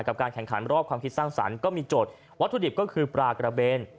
การแข่งขันรอบความคิดสร้างสรรค์ก็มีจดวัตถุดิบก็คือปลากระเบน